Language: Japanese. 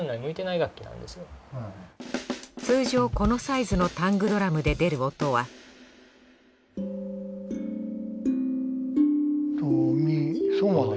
通常このサイズのタングドラムで出る音はドミソまで。